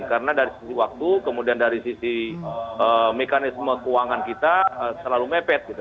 karena dari sisi waktu kemudian dari sisi mekanisme keuangan kita selalu mepet